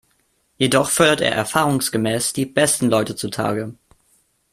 Jedoch fördert er erfahrungsgemäß die besten Leute zutage.